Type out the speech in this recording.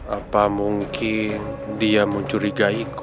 apa mungkin dia mencurigaiku